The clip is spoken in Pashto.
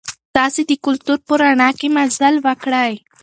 تاسي د کلتور په رڼا کې مزل وکړئ.